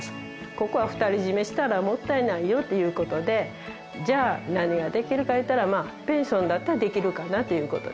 「ここは２人占めしたらもったいないよ」という事でじゃあ何ができるかいうたらまあペンションだったらできるかなっていう事で。